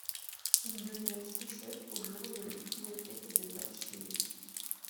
Il devient sous-chef au bureau de la bibliothèque et des archives.